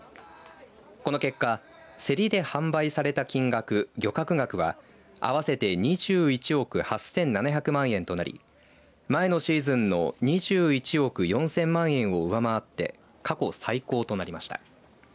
この結果、競りで販売された金額漁獲額は合わせて２１億８７００万円となり前のシーズンの２１億４０００万円を上回って過去最高となりました。